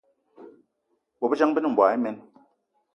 Bobejang, be ne mboigi imen.